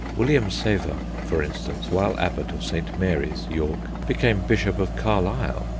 William Sever, for instance, while Abbot of St. Mary's, York, became Bishop of Carlisle.